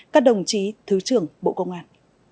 các đồng chí thứ trưởng bộ công an